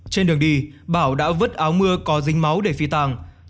trên đường đi bảo đã vứt áo mưa có dính máu để phi tàng